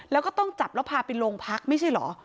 แล้วก็ต้องจับแล้วพาไปโรงพักไม่ใช่เหรอ